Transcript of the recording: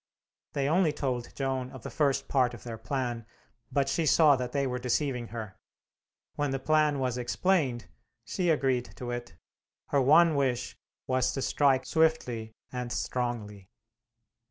They only told Joan of the first part of their plan, but she saw that they were deceiving her. When the plan was explained, she agreed to it; her one wish was to strike swiftly and strongly.